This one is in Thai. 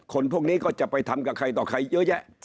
คนพวกนี้ก็จะไปทำกับใครต่อใครเยอะแยะ